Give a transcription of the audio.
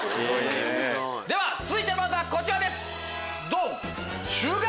では続いての漫画はこちらですドン！